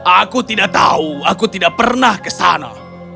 aku tidak tahu aku tidak pernah ke sana